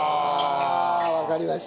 わかりました。